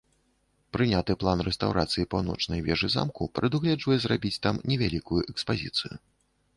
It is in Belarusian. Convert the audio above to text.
Прыняты план рэстаўрацыі паўночнай вежы замку прадугледжвае зрабіць там невялікую экспазіцыю.